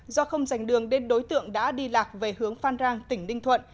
do không dành đường đến đối tượng đã đi lạc về hướng phan rang tỉnh ninh thuận